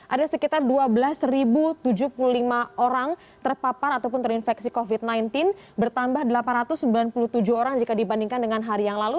ada sekitar dua belas tujuh puluh lima orang terpapar ataupun terinfeksi covid sembilan belas bertambah delapan ratus sembilan puluh tujuh orang jika dibandingkan dengan hari yang lalu